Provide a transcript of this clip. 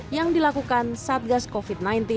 yang dilakukan satgas covid sembilan belas